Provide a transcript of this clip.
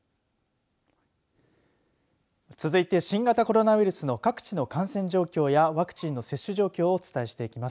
続いて新型コロナウイルスの各地の感染状況やワクチンの接種状況をお伝えしていきます。